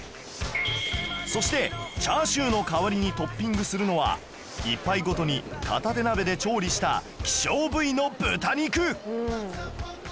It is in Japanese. そしてチャーシューの代わりにトッピングするのは一杯ごとに片手鍋で調理した希少部位の豚肉